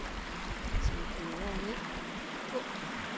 しみこむようによく。